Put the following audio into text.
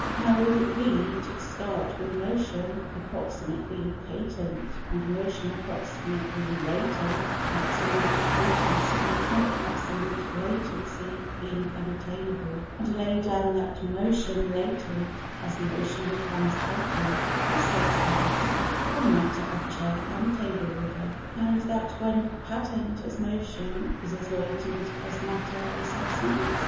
How would it be to start with motion approximately patent, and motion approximately latent (absolute patency and absolute latency being unattainable), and lay down that motion latent as motion becomes patent as substance, or matter of chair and table order; and that when patent as motion it is latent as matter and substance?